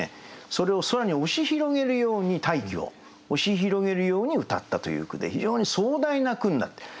それを空に押し広げるように大気を押し広げるようにうたったという句で非常に壮大な句になってる。